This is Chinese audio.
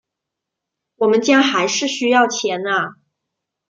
我们家还是需要钱啊